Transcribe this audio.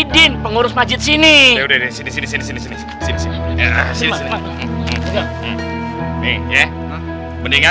jatuh jatuh jatuh